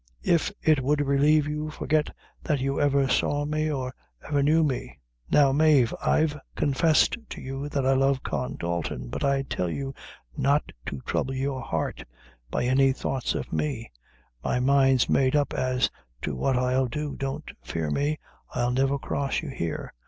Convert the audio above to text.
If it would relieve you, forget that you ever saw me or ever knew me.' Now, Mave, I've confessed to you that I love Con Dalton but I tell you not to trouble your heart by any thoughts of me; my mind's made up as to what I'll do don't fear me, I'll never cross you here.